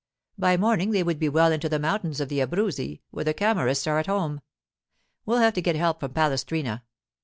By morning they would be well into the mountains of the Abruzzi, where the Camorrists are at home. We'll have to get help from Palestrina.